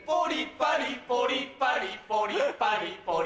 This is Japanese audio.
パリポリパリポリパリポリ